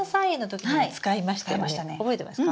覚えてますか？